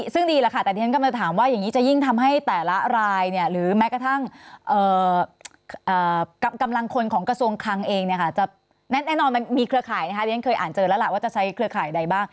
ซึ่งดีแล้วค่ะแต่ฉันก็มาถามว่าอย่างนี้จะยิ่งทำให้แต่ละรายเนี่ยหรือแม้กระทั่งกำลังคนของกระทรวงคลังเองเนี่ยค่ะ